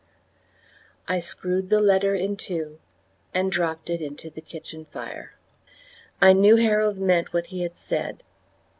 I screwed the letter in two and dropped it into the kitchen fire. I knew Harold meant what he had said.